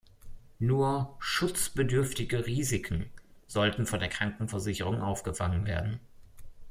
Nur „schutzbedürftige Risiken“ sollten von der Krankenversicherung aufgefangen werden.